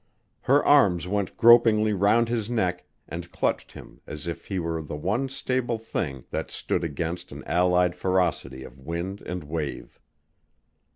Her arms went gropingly round his neck and clutched him as if he were the one stable thing that stood against an allied ferocity of wind and wave.